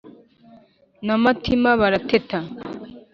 Na Matima barateta